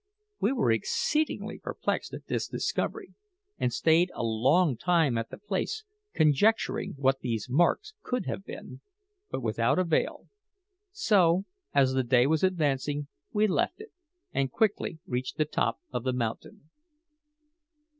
We were exceedingly perplexed at this discovery, and stayed a long time at the place conjecturing what these marks could have been, but without avail; so, as the day was advancing, we left it, and quickly reached the top of the mountain.